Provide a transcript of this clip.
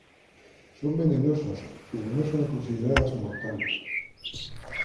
Son venenosas, pero no son consideradas mortales.